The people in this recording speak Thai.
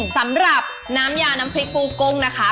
สำหรับน้ำยาน้ำพริกปูกุ้งนะคะ